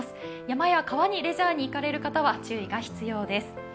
山や川にレジャーに行かれる方は注意が必要です。